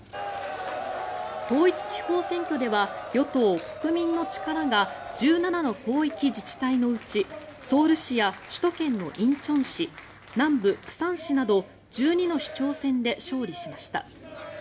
統一地方選挙では与党・国民の力が１７の広域自治体のうちソウル市や首都圏の仁川市南部・釜山市など１２の市長選で勝利しました。